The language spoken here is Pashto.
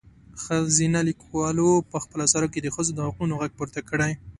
ښځينه لیکوالو په خپلو اثارو کې د ښځو د حقونو غږ پورته کړی.